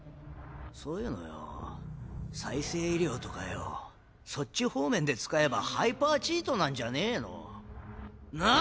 そういうのよォ再生医療とかよォそっち方面で使えばハイパーチートなんじゃねぇの？なァ！